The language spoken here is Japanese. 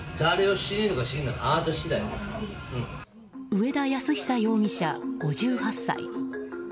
上田泰久容疑者、５８歳。